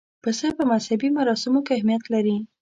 پسه په مذهبي مراسمو کې اهمیت لري.